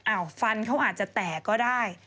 ฟันเขาอาจจะแตกก็ได้